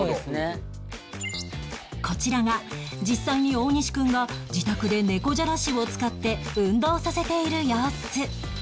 こちらが実際に大西くんが自宅で猫じゃらしを使って運動させている様子